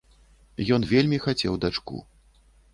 Ён вельмі хацеў дачку.